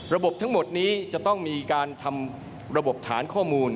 ระบบทั้งหมดนี้จะต้องมีการทำระบบฐานข้อมูล